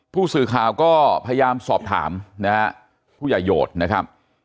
ผู้สื่อข่าวก็พยายามสอบถามนะฮะผู้ใหญ่โหดนะครับ